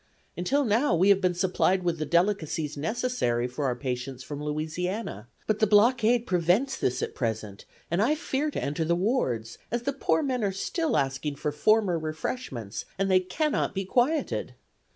Until now we have been supplied with the delicacies necessary for our patients from Louisiana, but the blockade prevents this at present and I fear to enter the wards, as the poor men are still asking for former refreshments, and they cannot be quieted.